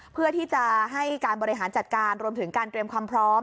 เพื่อที่จะให้การบริหารจัดการรวมถึงการเตรียมความพร้อม